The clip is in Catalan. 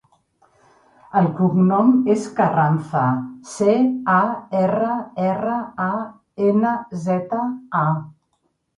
El cognom és Carranza: ce, a, erra, erra, a, ena, zeta, a.